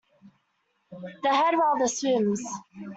The head rather swims.